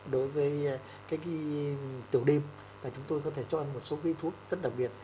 đối với cái tiểu đêm là chúng tôi có thể cho ăn một số vi thuốc rất đặc biệt